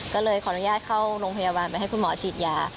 ก็เลยขออนุญาตเข้าโรงพยาบาลไปให้คุณหมอฉีดยา